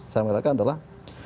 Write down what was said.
saya mengatakan adalah